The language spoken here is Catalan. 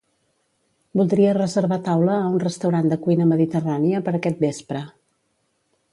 Voldria reservar taula a un restaurant de cuina mediterrània per aquest vespre.